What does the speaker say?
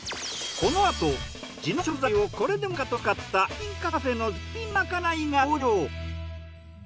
このあと地の食材をこれでもかと使った古民家カフェの絶品まかないが登場。